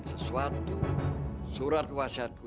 sesuatu surat wasiatku